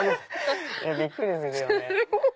びっくりするよね。